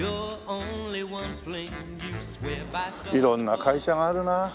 色んな会社があるな。